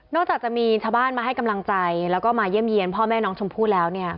จากจะมีชาวบ้านมาให้กำลังใจแล้วก็มาเยี่ยมเยี่ยมพ่อแม่น้องชมพู่แล้วเนี่ย